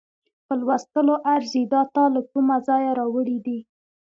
په لوستلو ارزي، دا تا له کومه ځایه راوړې دي؟